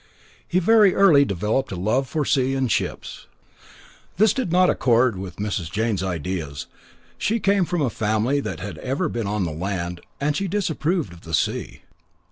He very early developed a love for the sea and ships. This did not accord with Mrs. Jane's ideas; she came of a family that had ever been on the land, and she disapproved of the sea.